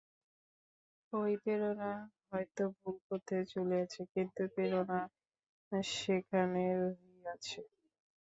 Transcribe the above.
ঐ প্রেরণা হয়তো ভুল পথে চলিয়াছে, কিন্তু প্রেরণা সেখানে রহিয়াছে।